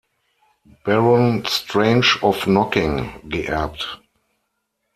Baron Strange of Knockin geerbt.